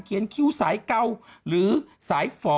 เขียนคิ้วสายเก้าหรือสายฝอ